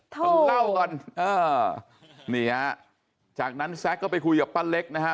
กินเหล้ากันเออนี่ฮะจากนั้นแซ็กก็ไปคุยกับป้าเล็กนะฮะ